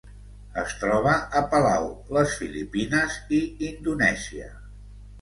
Es troba a Palau, les Filipines i Indonèsia.